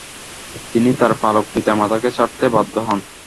তিনি তার পালক পিতা-মাতাকে ছাড়তে বাধ্য হন।